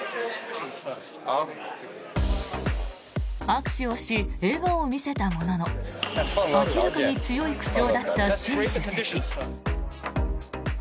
握手をし、笑顔を見せたものの明らかに強い口調だった習